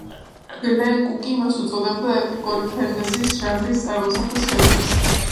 გლენ კუკი მას უწოდებდა ეპიკური ფენტეზის ჟანრის წარმოსახვის შედევრს.